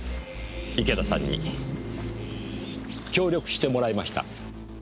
池田さんに協力してもらいました。